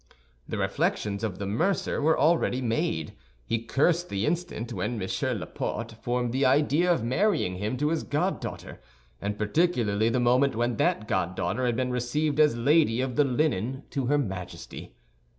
The reflections of the mercer were already made; he cursed the instant when M. Laporte formed the idea of marrying him to his goddaughter, and particularly the moment when that goddaughter had been received as Lady of the Linen to her Majesty.